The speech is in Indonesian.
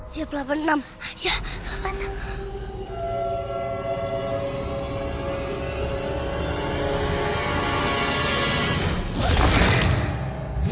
suara apa tuh